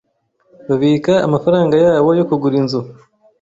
Babika amafaranga yabo yo kugura inzu.